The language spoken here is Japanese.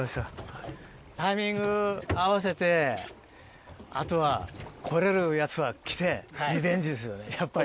タイミング合わせて、あとは来れるやつが来て、リベンジですよね、やっぱりね。